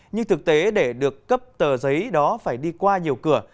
nhưng thực tế để được cấp tờ giấy đó phải đi qua nhiều cửa